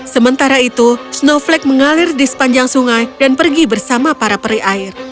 sementara itu snowflake mengalir di sepanjang sungai dan pergi bersama para peri air